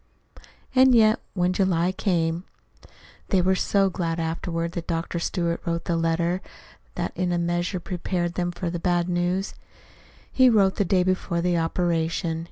And yet, when July came They were so glad, afterward, that Dr. Stewart wrote the letter that in a measure prepared them for the bad news. He wrote the day before the operation.